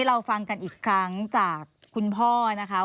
เราฟังกันอีกครั้งจากคุณพ่อนะคะ